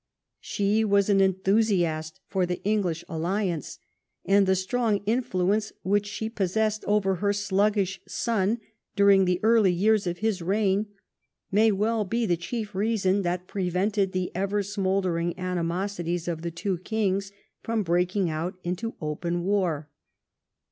She was an enthusiast for the English alliance, and the strong influence which she possessed over her sluggish son, during the early years of his reign, may well be the chief reason that prevented the ever smouldering animosities of the two kings from breaking out into open war.